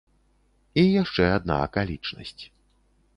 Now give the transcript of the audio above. І яшчэ адна акалічнасць.